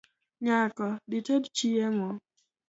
Nyako, dhited chiemo